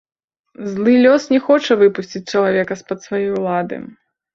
Злы лёс не хоча выпусціць чалавека з-пад свае ўлады.